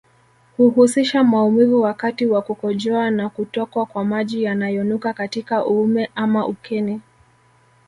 Huhusisha mauvimu wakati wa kukojoa na kutokwa kwa maji yanayonuka katika uume ama ukeni